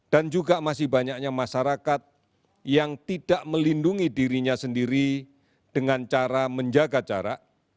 dan juga masih banyaknya masyarakat yang tidak melindungi dirinya sendiri dengan cara menjaga jarak